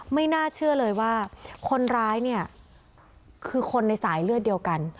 ไม่น่าเชื่อเลยว่าคนร้ายเนี่ยคือคนในสายเลือดเดียวกัน